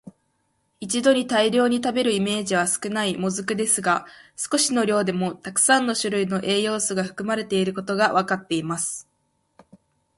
一度に大量に食べるイメージは少ない「もずく」ですが、少しの量でもたくさんの種類の栄養素が含まれていることがわかっています。